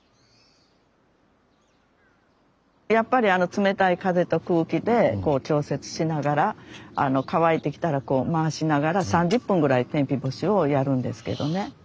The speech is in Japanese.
やっぱり冷たい風と空気で調節しながら乾いてきたらこう回しながら３０分ぐらい天日干しをやるんですけどね。